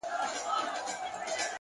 د تجربې درد تل بې ګټې نه وي.!